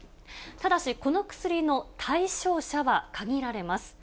ただし、この薬の対象者は限られます。